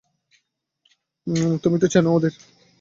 তুমি তো চেনো ওদের।